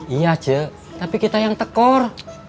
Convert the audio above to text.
iya aja tapi kita yang tekor